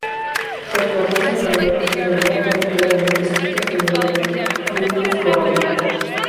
Tanto la prosa como los versos de Olea fueron íntegramente escritos en dialecto guipuzcoano.